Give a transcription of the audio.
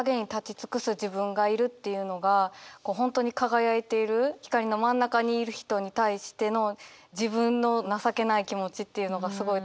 っていうのが本当に輝いている光りの真ん中にいる人に対しての自分の情けない気持ちっていうのがすごい